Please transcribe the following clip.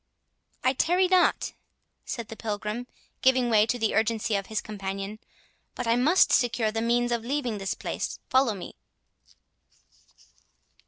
"I tarry not," said the Pilgrim, giving way to the urgency of his companion; "but I must secure the means of leaving this place—follow me."